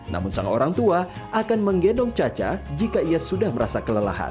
namun sang orang tua akan menggendong caca jika ia sudah merasa kelelahan